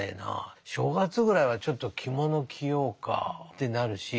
正月ぐらいはちょっと着物着ようかってなるし。